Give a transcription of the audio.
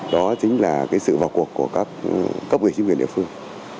đó chính là sự vào cuộc của các cấp ủy chính quyền địa phương